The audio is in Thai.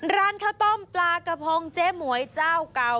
ร้านข้าวต้มปลากระพงเจ๊หมวยเจ้าเก่า